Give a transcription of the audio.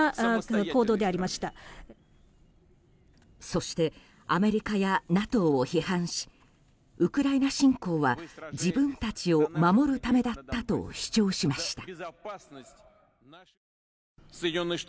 そしてアメリカやＮＡＴＯを批判しウクライナ侵攻は自分たちを守るためだったと主張しました。